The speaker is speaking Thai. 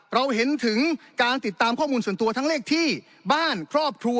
เราเห็นถึงการติดตามข้อมูลส่วนตัวทั้งเลขที่บ้านครอบครัว